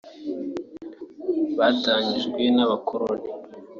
batanyijwe n’abakoloni